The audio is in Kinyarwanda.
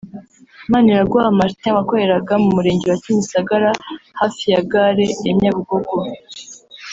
Maniraguha Martin wakoreraga mu murenge wa Kimisagara hafi ya Gare ya Nyabugogo